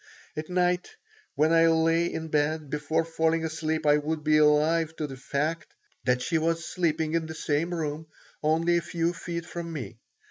At night, when I lay in bed, before falling asleep, I would be alive to the fact that she was sleeping in the same room, only a few feet from me.